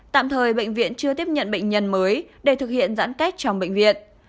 tạm thời bệnh viện chưa tiếp nhận bệnh nhân mới để thực hiện giãn cách trong bệnh viện